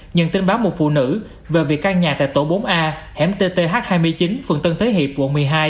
nhận tin báo một phụ nữ về việc căn nhà tại tổ bốn a hẻm tth hai mươi chín phường tân thế hiệp quận một mươi hai